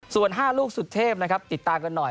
ส่วน๕ลูกสุดเทพนะครับติดตามกันหน่อย